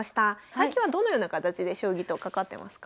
最近はどのような形で将棋と関わってますか？